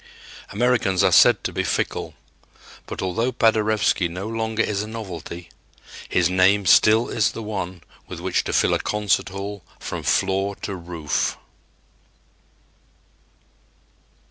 Americans are said to be fickle; but although Paderewski no longer is a novelty, his name still is the one with which to fill a concert hall from floor to roof.